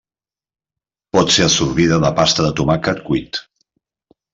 Pot ser absorbida de pasta de tomàquet cuit.